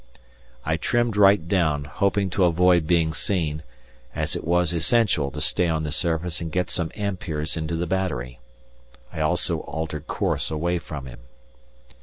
I trimmed right down, hoping to avoid being seen, as it was essential to stay on the surface and get some amperes into the battery. I also altered course away from him.